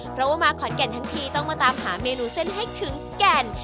เพราะว่ามาขอนแก่นทั้งทีต้องมาตามหาเมนูเส้นให้ถึงแก่น